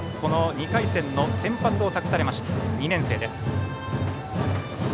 ２回戦の先発を託されました２年生です。